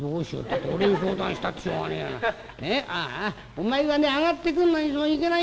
お前はね上がってくるのにそれいけないよ。